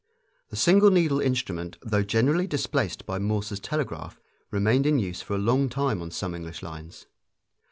The single needle instrument, though generally displaced by Morse's telegraph, remained in use for a long time on some English lines.